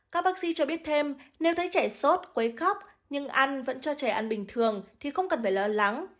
các bác sĩ cho biết thêm nếu thấy trẻ sốt quấy khóc nhưng ăn vẫn cho trẻ ăn bình thường thì không cần phải lo lắng